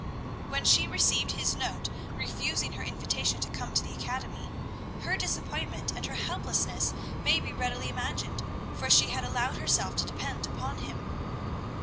When she received his note refusing her invitation to come to the academy, her disappointment and her helplessness may be readily imagined, for she had allowed herself to depend upon him.